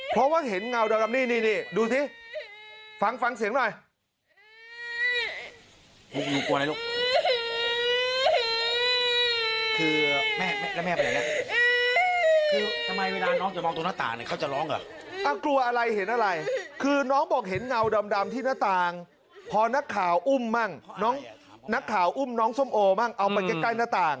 เพราะว่าเห็นเงาดำนี่นี่ดูสิฟังฟังเสียงหน่อย